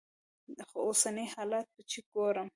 خو اوسني حالات چې ګورم.